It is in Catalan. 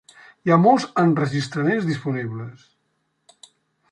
Hi ha molts enregistraments disponibles.